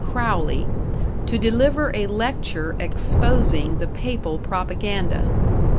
Crowley, to deliver a lecture exposing the Papal propaganda.